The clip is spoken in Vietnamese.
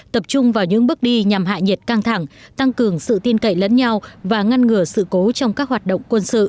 tập trung vào những bước đi nhằm hại nhiệt căng thẳng tăng cường sự tin cậy lẫn nhau và ngăn ngừa sự cố trong các hoạt động